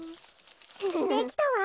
できたわ。